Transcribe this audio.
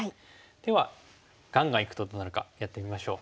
ではガンガンいくとどうなるかやってみましょう。